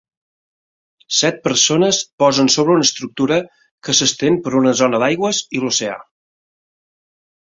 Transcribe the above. Set persones posen sobre una estructura que s'estén per una zona d'aigües i l'oceà.